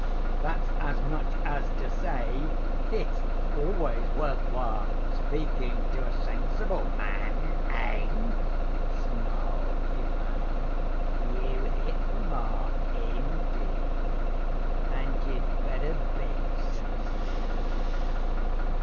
"That's as much as to say, 'It's always worth while speaking to a sensible man,' eh?" snarled Ivan. "You hit the mark, indeed. And you'd better be sensible."